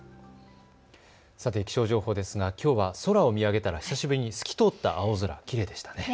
さて気象情報ですが空を見上げたら久しぶりに透き通った青空、きれいでしたね。